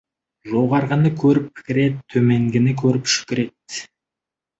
Жоғарғыны көріп пікір ет, төменгіні көріп шүкір ет.